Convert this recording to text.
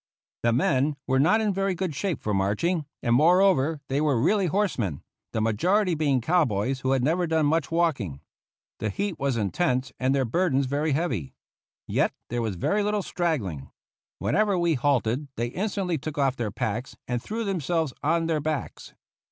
The men were not in very good shape for marching, and moreover they were really horsemen, the majority being cowboys who had never done much walking. The heat was intense and their burdens very heavy. Yet there was very little straggling. Whenever we halted they instantly took off their packs and threw themselves on their backs.